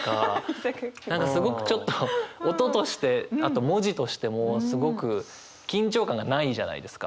何かすごくちょっと音としてあと文字としてもすごく緊張感がないじゃないですか。